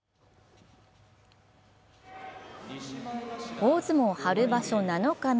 大相撲春場所７日目。